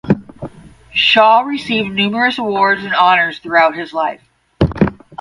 Shaw received numerous awards and honors throughout his life.